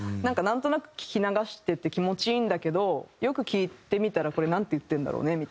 なんとなく聞き流してて気持ちいいんだけどよく聴いてみたらこれなんて言ってるんだろうね。